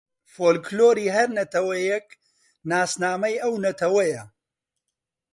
فۆلکلۆری هەر نەتەوەیێک ناسنامەی ئەو نەتەوەیە